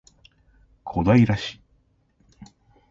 小平市